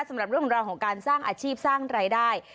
สำหรับเรื่องราวของการสร้างอาชีพสร้างรายได้